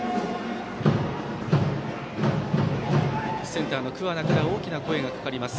センターの桑名から大きな声がかかります。